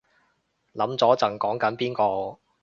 諗咗陣講緊邊個